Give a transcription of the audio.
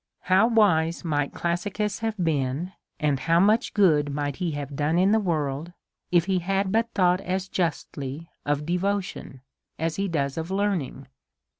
How wise mig ht Classicus have been, and how much good might he have done in the world, if he had but thought as justly of devotion as he does of learn ing!